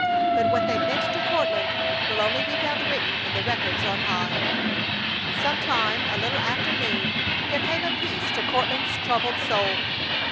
But what they meant to Courtland will only be found written in the records on high. Some time a little after noon there came a peace to Courtland's troubled soul.